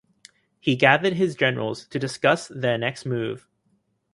He gathered his generals to discuss their next move.